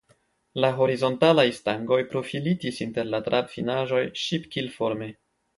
La horizontalaj stangoj profilitis inter la trabfinaĵoj ŝipkilforme.